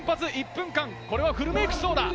１分間フルメイクしそうだ。